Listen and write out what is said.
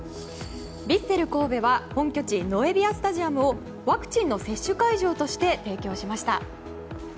ヴィッセル神戸は本拠地ノエビアスタジアムをワクチンの接種会場として提供しました。